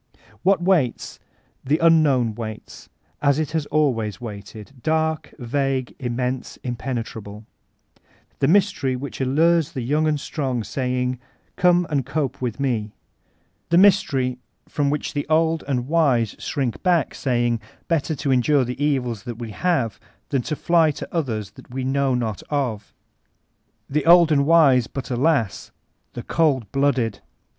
What waits? The Unknown waits, as it has always waited,— dark, vague, immense, impenetrable — the Mys tery which allures the young and strong saying, ''Come and cope mth me" ; the Mystery from which the old and wise shrink back, saying, "Better to endure the evils that we have than fly to others that we know not of"; the old and wise, but alasl the cold blooded!